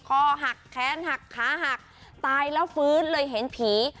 คอหักแค้นหักขาหักตายแล้วฟื้นเลยเห็นผี